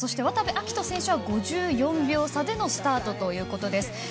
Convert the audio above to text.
渡部暁斗選手は５４秒差でのスタートということです。